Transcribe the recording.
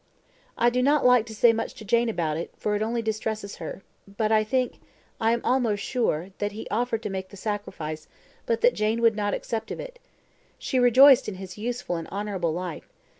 "I do not like to say much to Jane about it, for it only distresses her; but I think I am almost sure that he offered to make the sacrifice, but that Jane would not accept of it. She rejoiced in his useful and honourable life.